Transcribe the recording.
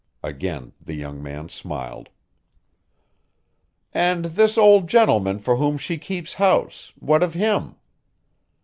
Again the young man smiled. "And this old gentleman for whom she keeps house what of him?"